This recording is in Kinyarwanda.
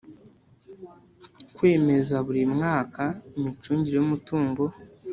Kwemeza buri mmwaka imicungire y umutungo